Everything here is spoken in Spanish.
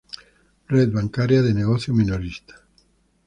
Red bancaria de negocio minorista.